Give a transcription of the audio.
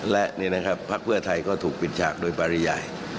และพักเพื่อไทยก็ถูกปิดฉากโดยปริยาย